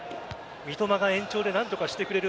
三笘が延長で何とかしてくれる。